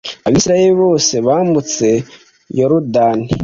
abisirayeli bose bambutse yorudani